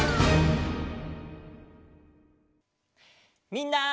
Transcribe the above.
みんな！